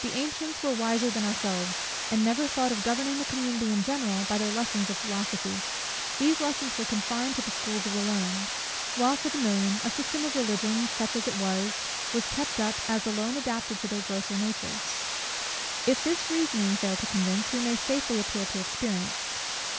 The antients were wiser than ourselves, and never thought of governing the community in general by their lessons of philosophy. These lessons were confined to the schools of the learned; while for the million, a system of Religion, such as it was, was kept up, as alone adapted to their grosser natures. If this reasoning fail to convince, we may safely appeal to experience.